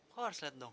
kok harus liat dong